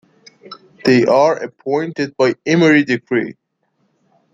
They are appointed by Emiri decree.